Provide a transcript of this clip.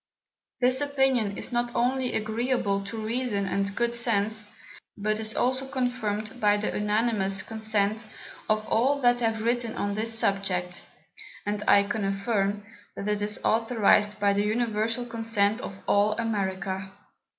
This Opinion is not only agreeable to Reason and good Sense, but is also confirmed by the unanimous Consent of all that have written on this Subject; and I can affirm, that it is authorized by the universal Consent of all America.